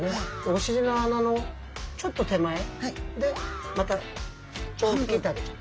お尻の穴のちょっと手前でまたチョンと切ってあげちゃう。